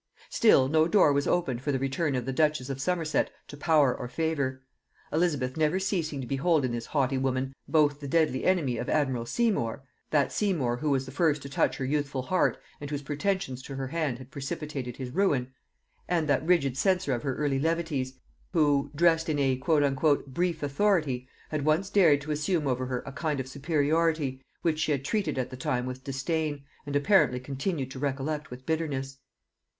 Still no door was opened for the return of the duchess of Somerset to power or favor; Elizabeth never ceasing to behold in this haughty woman both the deadly enemy of admiral Seymour, that Seymour who was the first to touch her youthful heart, and whose pretensions to her hand had precipitated his ruin, and that rigid censor of her early levities, who, dressed in a "brief authority," had once dared to assume over her a kind of superiority, which she had treated at the time with disdain, and apparently continued to recollect with bitterness.